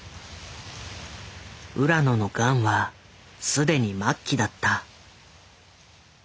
浦野のガンは既に末期だった。